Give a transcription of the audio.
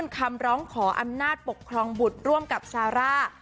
คำร้องขออำนาจปกครองบุตรร่วมกับซาร่า